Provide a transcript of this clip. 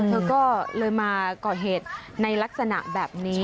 เธอก็เลยมาก่อเหตุในลักษณะแบบนี้